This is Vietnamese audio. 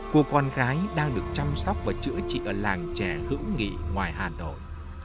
cô con gái đang được chăm sóc và chữa trị ở làng trẻ hữu nghị ngoài hà nội